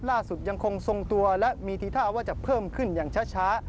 ยังคงทรงตัวและมีทีท่าว่าจะเพิ่มขึ้นอย่างช้า